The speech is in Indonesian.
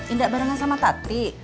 indah barengan sama tati